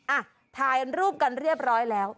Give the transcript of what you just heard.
อ่ะถ่ายรูปกันเรียบร้อยแล้ว